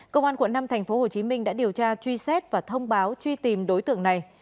công an quận năm tp hcm đã điều tra truy xét và thông báo truy tìm đối tượng này